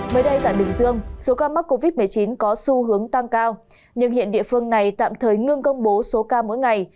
mới đây tại bình dương số ca mắc covid một mươi chín có xu hướng tăng cao nhưng hiện địa phương này tạm thời ngưng công bố số ca mỗi ngày